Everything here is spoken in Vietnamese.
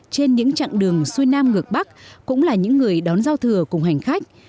trên những chặng đường xuôi nam ngược bắc cũng là những người đón giao thừa cùng hành khách